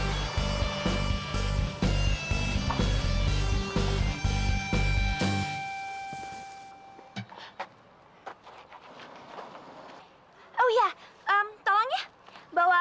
iya baik mbak